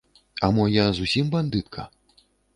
А мо я зусім бандытка?